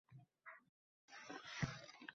Garchi kitob o‘qiyotgan odam ham